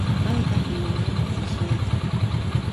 Payqa hinallami qishyaykan.